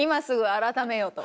「改めよ」と。